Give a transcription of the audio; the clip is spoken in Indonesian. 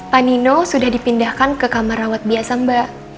pak nino sudah dipindahkan ke kamar rawat biasa mbak